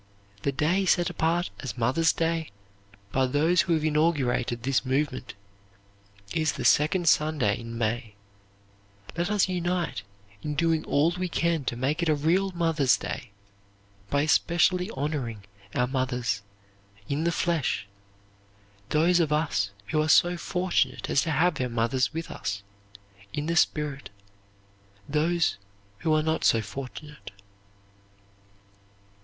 The day set apart as Mothers' Day by those who have inaugurated this movement is the second Sunday in May. Let us unite in doing all we can to make it a real Mothers' Day, by especially honoring our mothers; in the flesh, those of us who are so fortunate as to have our mothers with us; in the spirit, those who are not so fortunate.